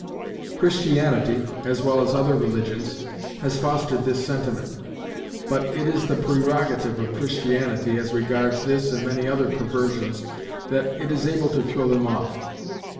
Christianity, as well as other religions, has fostered this sentiment; but it is the prerogative of Christianity, as regards this and many other perversions, that it is able to throw them off.